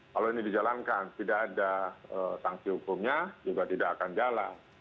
kalau ini dijalankan tidak ada sanksi hukumnya juga tidak akan jalan